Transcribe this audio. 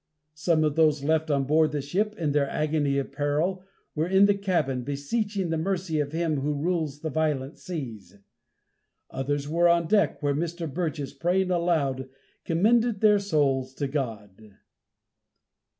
Some of those left on board the ship, in their agony of peril, were in the cabin, beseeching the mercy of Him who rules the violent sea. Others were on deck, where Mr. Burgess, praying aloud, commended their souls to God.